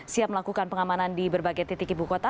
siap melakukan pengamanan di berbagai titik ibu kota